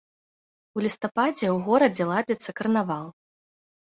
У лістападзе ў горадзе ладзіцца карнавал.